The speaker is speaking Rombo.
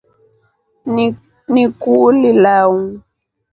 Ni kuuli lau.